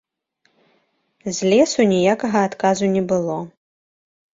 З лесу ніякага адказу не было.